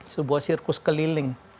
sebuah sirkus keliling